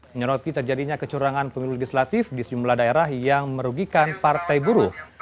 menyerupi terjadinya kecurangan pemilu legislatif di sejumlah daerah yang merugikan partai buruh